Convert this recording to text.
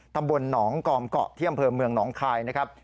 ตำบลหนองกอมเกาะที่อำเภอเมืองหนองคายนะครับ